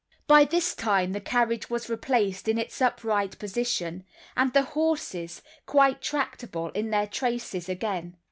By this time the carriage was replaced in its upright position, and the horses, quite tractable, in the traces again.